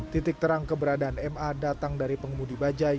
titik terang keberadaan ma datang dari pengemudi bajai